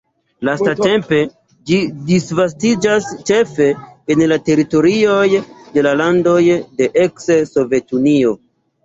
Lastatempe ĝi disvastiĝas ĉefe en la teritorioj de la landoj de eks-Sovetunio.